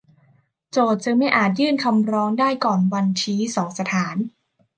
โจทก์จึงไม่อาจยื่นคำร้องได้ก่อนวันชี้สองสถาน